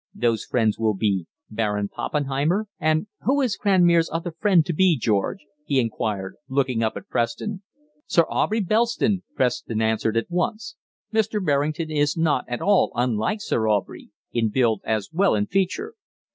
Those friends will be 'Baron Poppenheimer' and who is Cranmere's other friend to be, George?" he inquired, looking up at Preston. "'Sir Aubrey Belston,'" Preston answered at once. "Mr. Berrington is not at all unlike Sir Aubrey, in build as well as in feature."